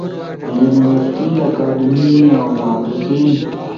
یونیورسٹئی، اکادمی اؤ محققین